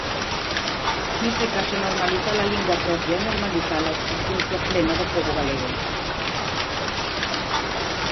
Neste caso, normalizar a lingua propia é normalizar a existencia plena do pobo galego.